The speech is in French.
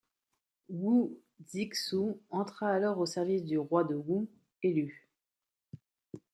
Wu Zixu entra alors au service du roi de Wu, Helü.